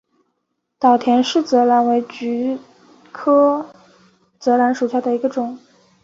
岛田氏泽兰为菊科泽兰属下的一个种。